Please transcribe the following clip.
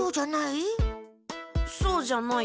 そうじゃない？